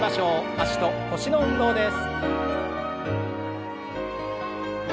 脚と腰の運動です。